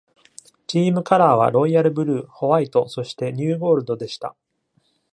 チームカラーはロイヤルブルー、ホワイト、そしてニューゴールドでした。